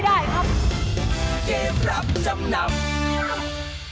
ได้หรือไม่ได้ครับ